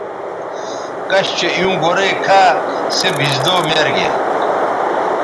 کش چہء ایوں گورئ کھا سے بھیزدو میر گے